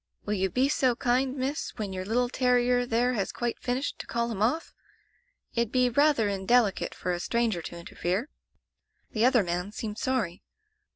Will you be so kind. Miss, when your little terrier there has quite finished, to call him off ? It'd be rayther indelicate for a stranger to interfere.' "The other man seemed sorry.